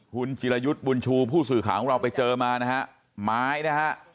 คุณจิรยุทธ์บุญชูผู้สื่อข่าวของเราไปเจอมานะฮะไม้นะฮะ